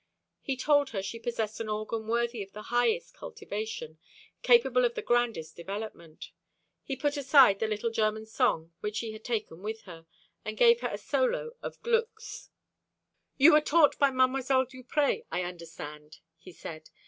He told her she possessed an organ worthy of the highest cultivation, capable of the grandest development. He put aside the little German song which she had taken with her, and gave her a solo of Glück's. "You were taught by Mdlle. Duprez, I understand," he said.